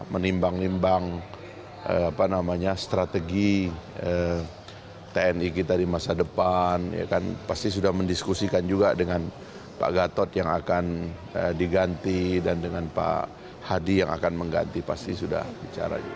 menimbang nimbang strategi tni kita di masa depan pasti sudah mendiskusikan juga dengan pak gatot yang akan diganti dan dengan pak hadi yang akan mengganti pasti sudah bicara juga